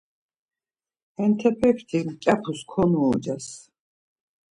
Hentepekti mǩyapus konuuces.